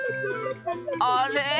あれ？